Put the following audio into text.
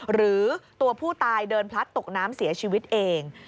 หรือตัวผู้ตายเดินพลัดตกน้ำเสียชีวิตเอง